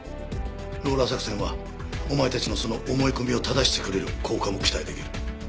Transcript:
ローラー作戦はお前たちのその思い込みを正してくれる効果も期待出来る。